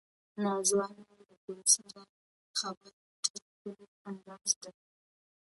نازو انا له ګل سره د خبرو اترو ښکلی انداز درلود.